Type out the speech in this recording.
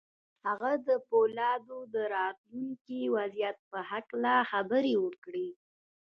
هغه د پولادو د راتلونکي وضعيت په هکله خبرې وکړې.